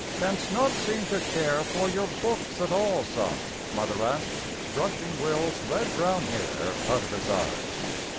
"Canst not seem to care for your books at all, son?" Mother asked, brushing Will's red brown hair out of his eyes.